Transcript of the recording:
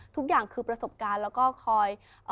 ทุกอย่างคือประสลบการณ์คอย